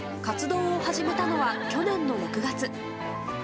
活動を始めたのは去年の６月。